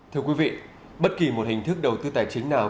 thưa quý vị bất kỳ một hình thức đầu tư tài chính nào